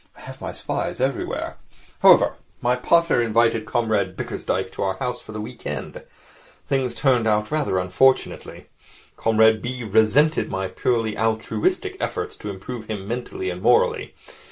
I have my spies everywhere. However, my pater invited Comrade Bickersdyke to our house for the weekend. Things turned out rather unfortunately. Comrade B. resented my purely altruistic efforts to improve him mentally and morally.